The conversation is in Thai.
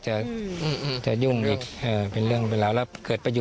มันจะเป็นเรื่องใหญ่